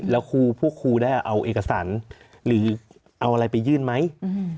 แล้วครูพวกครูได้เอาเอกสารหรือเอาอะไรไปยื่นไหมอืม